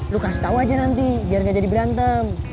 lu kasih tau aja nanti biar gak jadi berantem